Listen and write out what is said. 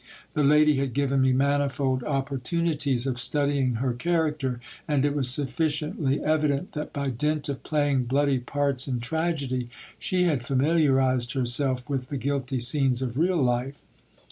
The lady had given me manifold opportunities of studying her character; and it was sufficiently evident that by dint of playing bloody parts in tragedy, she had familiarized herself with the guilty scenes of real life.